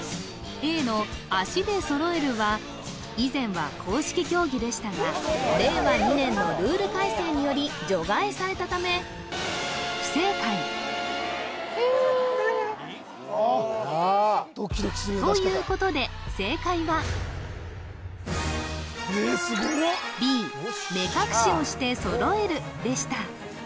Ａの足で揃えるは以前は公式競技でしたが令和２年のルール改正により除外されたためということで正解はＢ目隠しをして揃えるでした